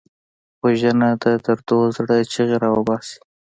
وژنه د دردو زړه چیغې راوباسي